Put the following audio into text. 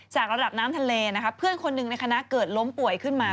ระดับน้ำทะเลนะคะเพื่อนคนหนึ่งในคณะเกิดล้มป่วยขึ้นมา